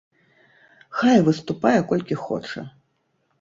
Хай выступае колькі хоча.